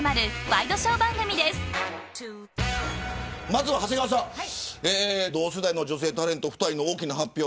まずは長谷川さん同世代の女性タレント２人の大きな発表。